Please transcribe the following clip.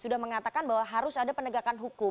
zulu mengatakan bahwa harus ada pendegakan hukum